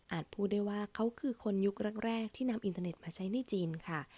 พูดได้ว่าเขาคือคนยุคแรกที่นำอินเทอร์เน็ตมาใช้ในจีนค่ะ